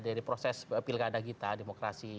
dari proses pilih keadaan kita demokrasi